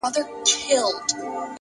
د زاړه کتاب پاڼې لږ ژیړې وي.